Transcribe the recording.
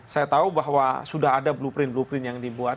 saya tahu bahwa sudah ada blueprint blueprint yang dibuat